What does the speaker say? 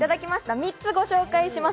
３つをご紹介します。